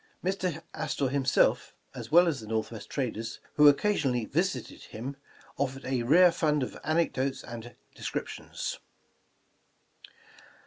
Mr. Astor himself, as well as the Northwest traders who occasionally visited him, offered a rare fund of anecdotes and descriptions.